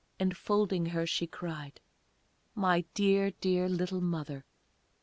Enfolding her, she cried "My dear, dear, little Mother!"